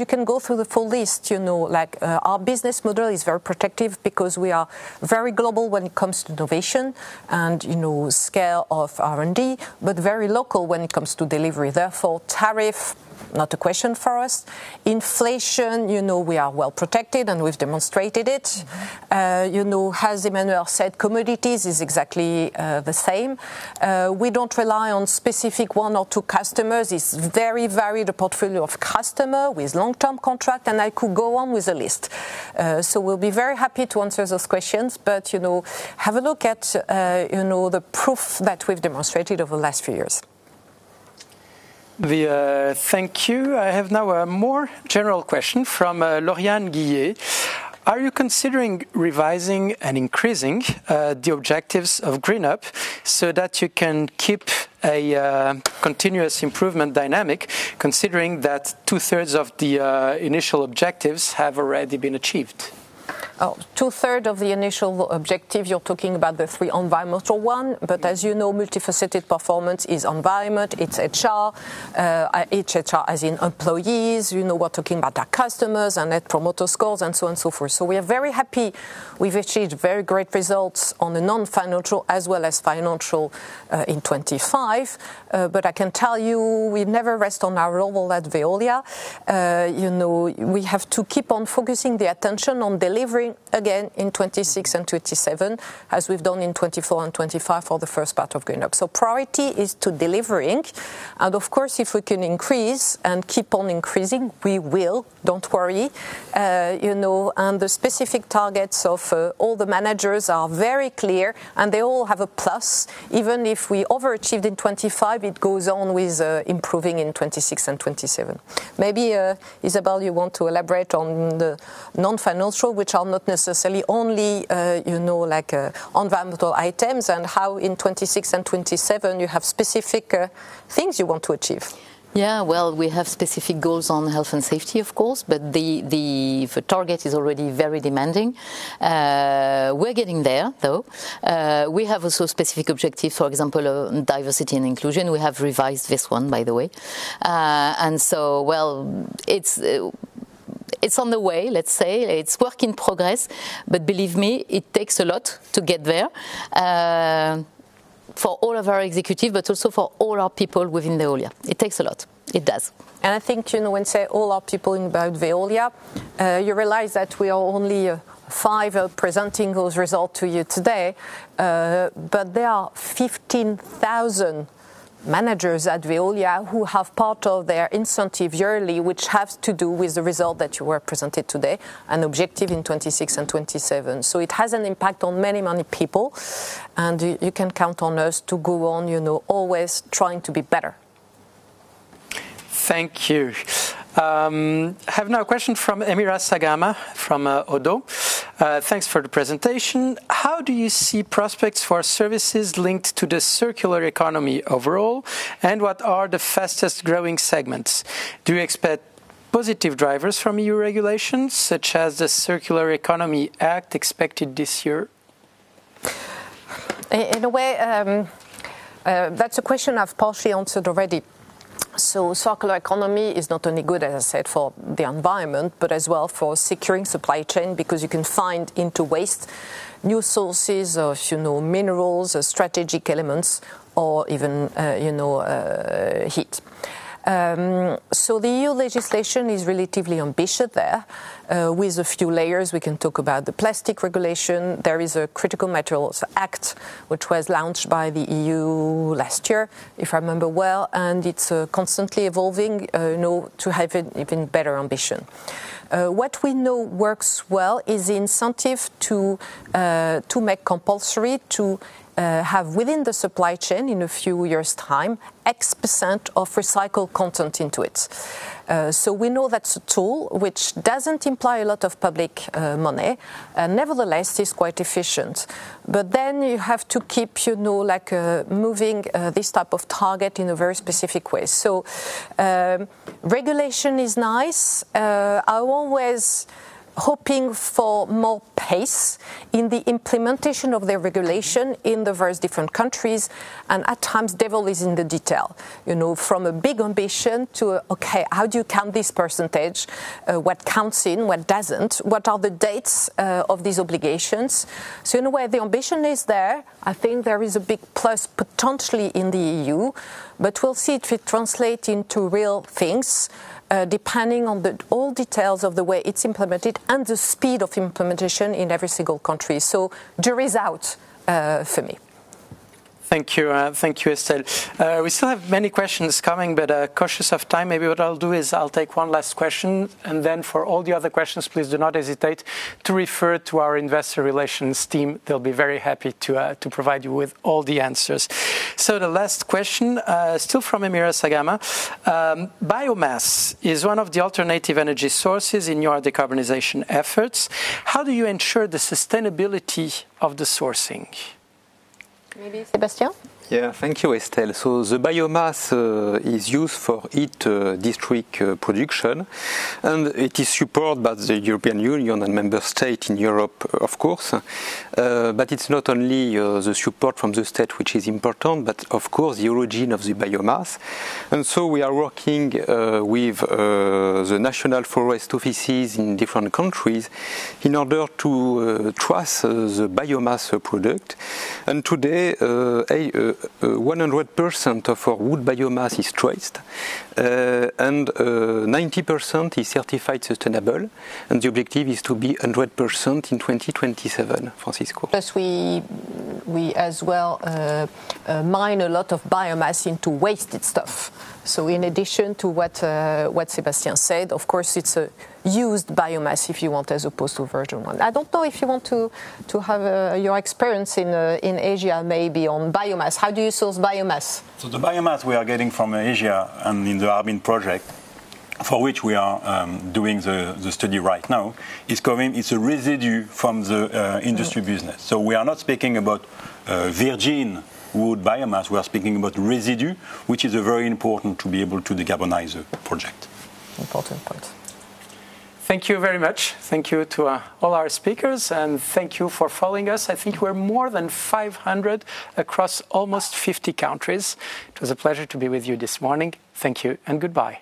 You can go through the full list, you know. Like, our business model is very protective because we are very global when it comes to innovation and, you know, scale of R&D, but very local when it comes to delivery, therefore tariff not a question for us. Inflation, you know we are well protected, and we've demonstrated it. You know, as Emmanuelle said, commodities is exactly the same. We don't rely on specific one or two customers. It's very varied, the portfolio of customer, with long-term contract, and I could go on with a list. We'll be very happy to answer those questions, but, you know, have a look at, you know, the proof that we've demonstrated over the last few years. Thank you. I have now a more general question from Lauriane Gilliéron. Are you considering revising and increasing the objectives of GreenUp so that you can keep a continuous improvement dynamic considering that 2/3 of the initial objectives have already been achieved? 2/3 of the initial objective, you're talking about the three environmental one. As you know, Multifaceted Performance is environment, it's HR as in employees. You know, we're talking about our customers and Net Promoter Scores and so on and so forth. We are very happy we've achieved very great results on the non-financial as well as financial in 2025. But I can tell you we never rest on our laurels at Veolia. You know, we have to keep on focusing the attention on delivering again in 2026 and 2027 as we've done in 2024 and 2025 for the first part of GreenUp. Priority is to delivering. Of course, if we can increase and keep on increasing, we will, don't worry. You know, the specific targets of all the managers are very clear, and they all have a plus. Even if we overachieved in 2025, it goes on with improving in 2026 and 2027. Maybe, Isabelle, you want to elaborate on the non-financial, which are not necessarily only, you know, like, environmental items, and how in 2026 and 2027 you have specific things you want to achieve. Yeah. Well, we have specific goals on health and safety, of course, but the target is already very demanding. We're getting there, though. We have also specific objectives, for example, on diversity and inclusion. We have revised this one, by the way. It's on the way, let's say. It's work in progress. Believe me, it takes a lot to get there, for all of our executive, but also for all our people within Veolia. It takes a lot. It does. I think, you know, when I say all our people in both Veolia, you realize that we are only five presenting those results to you today. There are 15,000 managers at Veolia who have part of their incentive yearly which has to do with the results that were presented to you today and objectives in 2026 and 2027. It has an impact on many, many people, and you can count on us to go on, you know, always trying to be better. Thank you. I have now a question from Amira Sajari from Oddo BHF. Thanks for the presentation. How do you see prospects for services linked to the circular economy overall, and what are the fastest-growing segments? Do you expect positive drivers from EU regulations, such as the Circular Economy Act expected this year? In a way, that's a question I've partially answered already. Circular economy is not only good, as I said, for the environment, but as well for securing supply chain because you can find into waste new sources of, you know, minerals or strategic elements or even, you know, heat. The EU legislation is relatively ambitious there, with a few layers. We can talk about the plastic regulation. There is a Critical Raw Materials Act which was launched by the EU last year, if I remember well, and it's constantly evolving, you know, to have even better ambition. What we know works well is the incentive to make compulsory to have within the supply chain in a few years' time X percent of recycled content into it. We know that's a tool which doesn't imply a lot of public money. Nevertheless, it's quite efficient. You have to keep, you know, like, moving this type of target in a very specific way. Regulation is nice. I always hoping for more pace in the implementation of the regulation in the various different countries, and at times, devil is in the detail. You know, from a big ambition to, okay, how do you count this percentage? What counts in, what doesn't? What are the dates of these obligations? In a way, the ambition is there. I think there is a big plus potentially in the EU, but we'll see if it translate into real things, depending on the all details of the way it's implemented and the speed of implementation in every single country. Jury's out for me. Thank you, Estelle. We still have many questions coming, but cautious of time, maybe what I'll do is I'll take one last question, and then for all the other questions, please do not hesitate to refer to our investor relations team. They'll be very happy to provide you with all the answers. The last question, still from Amira Sajari. Biomass is one of the alternative energy sources in your decarbonization efforts. How do you ensure the sustainability of the sourcing? Maybe Sébastien? Yeah. Thank you, Estelle. The biomass is used for district heat production, and it is supported by the European Union and member states in Europe, of course. But it's not only the support from the state which is important, but of course the origin of the biomass. We are working with the national forest offices in different countries in order to trace the biomass product. Today, 100% of our wood biomass is traced, and 90% is certified sustainable, and the objective is to be 100% in 2027, Francisco. Plus we as well find a lot of biomass in waste stuff. In addition to what Sébastien said, of course it's a used biomass, if you want, as opposed to virgin one. I don't know if you want to have your experience in Asia maybe on biomass. How do you source biomass? The biomass we are getting from Asia and in the Harbin project, for which we are doing the study right now, is coming. It is a residue from the industry business. We are not speaking about virgin wood biomass. We are speaking about residue, which is very important to be able to decarbonize a project. Important point. Thank you very much. Thank you to all our speakers, and thank you for following us. I think we're more than 500 across almost 50 countries. It was a pleasure to be with you this morning. Thank you and goodbye.